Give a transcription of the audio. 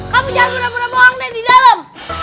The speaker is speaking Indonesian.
kamu jangan mudah mudah bohong deh di dalam